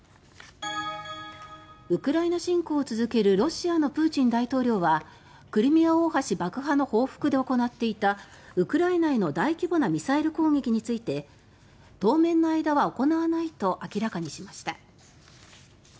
ウクライナ侵攻を続けるロシアのプーチン大統領はクリミア大橋爆破の報復で行っていたウクライナへの大規模なミサイル攻撃について当面の間は行わないと明らかにしました。